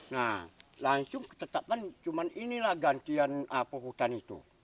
nah langsung tetapkan cuman inilah gantian apa hutan itu